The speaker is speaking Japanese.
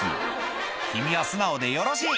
「君は素直でよろしい」